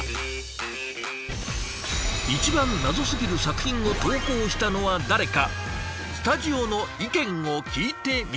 一番ナゾすぎる作品を投稿したのは誰かスタジオの意見を聞いてみましょう！